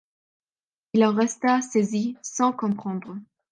Il en resta saisi, sans comprendre.